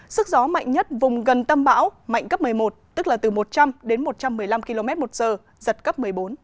sức gió mạnh nhất vùng gần tâm bão mạnh cấp một mươi một tức là từ một trăm linh đến một trăm một mươi năm km một giờ giật cấp một mươi bốn